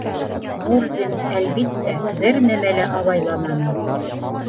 Мурзин, әлбиттә, бер нәмә лә абайламаны.